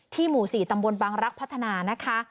ที่หมู่ศรีตำบลบังรักพัฒนานะคะ